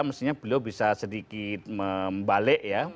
mestinya beliau bisa sedikit membalik ya